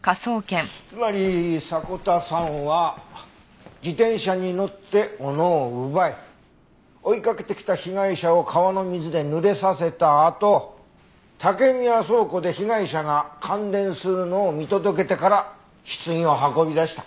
つまり迫田さんは自転車に乗って斧を奪い追いかけてきた被害者を川の水で濡れさせたあと竹宮倉庫で被害者が感電するのを見届けてから棺を運び出した。